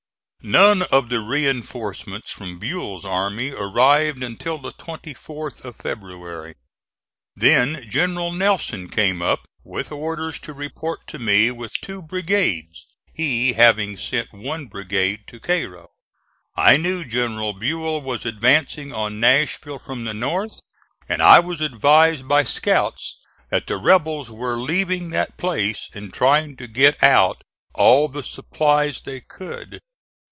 None of the reinforcements from Buell's army arrived until the 24th of February. Then General Nelson came up, with orders to report to me with two brigades, he having sent one brigade to Cairo. I knew General Buell was advancing on Nashville from the north, and I was advised by scouts that the rebels were leaving that place, and trying to get out all the supplies they could.